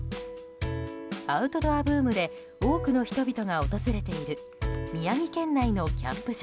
アウトドアブームで多くの人々が訪れている宮城県内のキャンプ場。